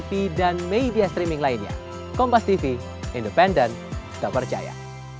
jakarta ada zita ada eko